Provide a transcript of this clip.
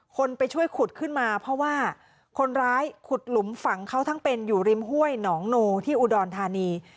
คนไปช่วยขุดขึ้นมาเพราะว่าคนร้ายขุดหลุมฝังเขาทั้งเป็นอยู่ริมห้วยหนองโนที่อุดรธานี